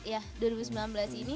karena di dua ribu sembilan belas ini